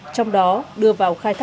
trong đó đưa vào khai sản